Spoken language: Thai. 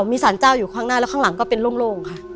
มีสารเจ้าอยู่ข้างหน้าแล้วข้างหลังก็เป็นโล่งค่ะ